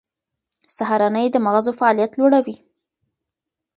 سهارنۍ د مغزو فعالیت لوړوي.